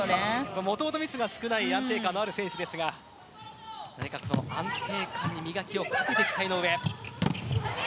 もともとミスの少ない安定感のある選手ですが安定感に磨きをかけてきた井上。